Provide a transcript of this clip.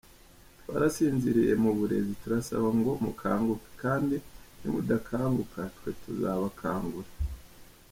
Twarasinziriye mu burezi, turabasaba ngo mukanguke, kandi nimudakanguka twe tuzabakangura.